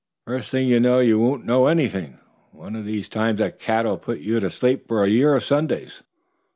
First thing you know you won't know anything. One of these times a cat'll put you to sleep for a year of Sundays."